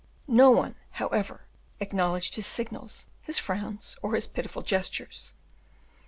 No one, however, acknowledged his signals, his frowns, or his pitiful gestures.